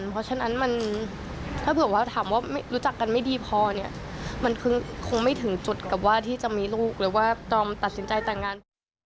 เพราะฉะนั้นมันถ้าเผื่อว่าถามว่ารู้จักกันไม่ดีพอเนี่ยมันคงไม่ถึงจุดกับว่าที่จะมีลูกหรือว่าดอมตัดสินใจแต่งงาน